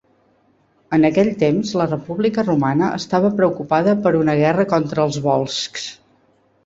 En aquell temps la República Romana estava preocupada per una guerra contra els Volscs.